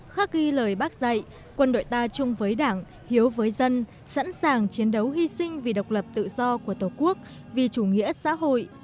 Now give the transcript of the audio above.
khắc ghi lời bác dạy quân đội ta chung với đảng hiếu với dân sẵn sàng chiến đấu hy sinh vì độc lập tự do của tổ quốc vì chủ nghĩa xã hội